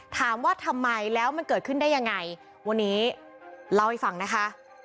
ถามว่าทำไมแล้วมันเกิดขึ้นได้ยังไงวันนี้เล่าให้ฟังนะคะ